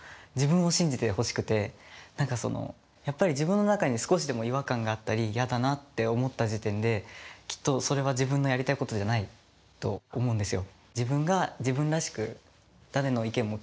あのやっぱり自分の中に少しでも違和感があったり嫌だなって思った時点できっとそれは自分のやりたいことじゃないと思うんですよ。